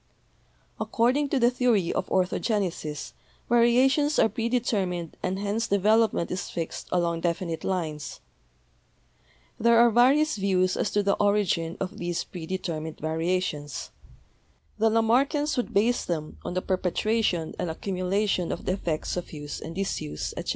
According to the theory of orthogenesis variations are predetermined and hence development is fixed along defi nite lines. There are various views as to the origin of these predetermined variations. The Lamarckians would base them on the perpetuation and accumulation of the effects of use and disuse, etc.